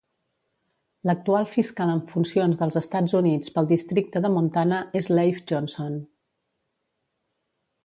L'actual fiscal en funcions dels Estats Units pel districte de Montana és Leif Johnson.